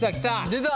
出た。